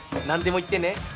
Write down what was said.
何でも言ってね